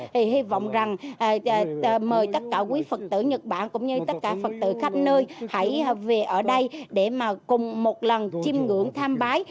thì hy vọng rằng mời tất cả quý phật tử nhật bản cũng như tất cả phật tử khắp nơi hãy về ở đây để mà cùng một lần chiêm ngưỡng tham bái